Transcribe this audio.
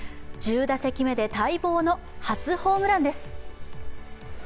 １０打席目で待望の初ホームランです。